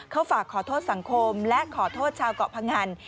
เขาฝากขอโทษสังคมและขอโทษชาวเกาะพงัน